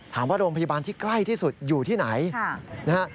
ถามว่าโรงพยาบาลที่ใกล้ที่สุดอยู่ที่ไหน